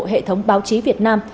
hệ thống báo chí việt nam